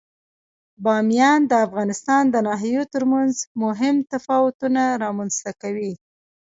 بامیان د افغانستان د ناحیو ترمنځ مهم تفاوتونه رامنځ ته کوي.